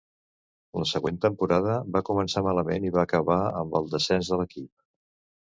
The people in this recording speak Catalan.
La següent temporada va començar malament i va acabar amb el descens de l'equip.